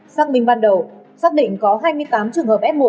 xác minh ban đầu xác định có hai mươi tám trường hợp f một